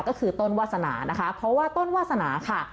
ก็คือต้นวาสนานะคะเพราะว่าต้นวาสนาค่ะ